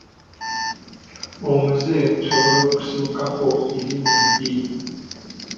Omuze gusobola okusibukako erinnya ebbi.